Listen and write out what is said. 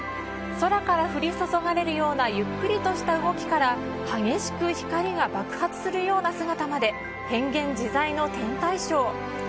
空から降り注がれるようなゆっくりとした動きから激しく光が爆発するような姿まで、変幻自在の天体ショー。